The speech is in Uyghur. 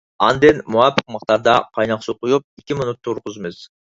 ئاندىن مۇۋاپىق مىقداردا قايناق سۇ قۇيۇپ، ئىككى مىنۇت تۇرغۇزىمىز.